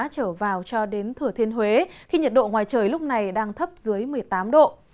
trở vào cho đến thừa thiên huế khi nhiệt độ ngoài trời lúc này đang thấp dưới một mươi tám độ